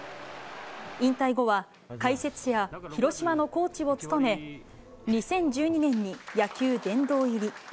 引退後は解説者や広島のコーチを務め、２０１２年に野球殿堂入り。